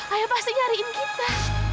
ayah pasti nyariin kita